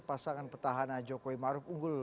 pasangan petahana jokowi maruf unggul